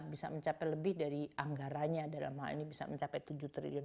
bisa mencapai lebih dari anggaranya dalam hal ini bisa mencapai tujuh triliun